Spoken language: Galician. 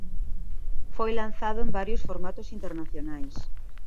Foi lanzado en varios formatos internacionais.